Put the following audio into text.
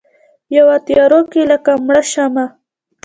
یوه تیارو کې لکه مړه شمعه